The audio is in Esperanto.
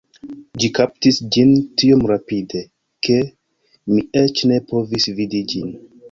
Ĝi kaptis ĝin tiom rapide, ke mi eĉ ne povis vidi ĝin